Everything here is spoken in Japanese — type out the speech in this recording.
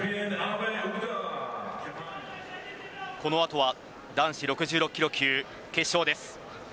この後は男子６６キロ級決勝です。